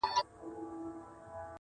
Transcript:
o ستا تصوير خپله هينداره دى زما گراني .